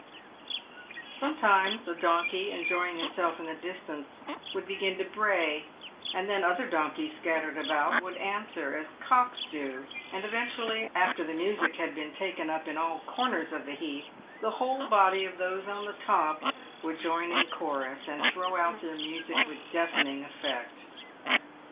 Sometimes a donkey, enjoying himself in the distance, would begin to bray, and then other donkeys scattered about would answer as cocks do, and eventually, after the music had been taken up in all corners of the heath, the whole body of those on the top would join in chorus, and throw out their music with deafening effect.